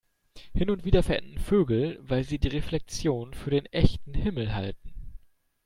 Hin und wieder verenden Vögel, weil sie die Reflexion für den echten Himmel halten.